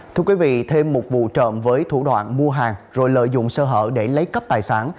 thưa quý vị thêm một vụ trộm với thủ đoạn mua hàng rồi lợi dụng sơ hở để lấy cắp tài sản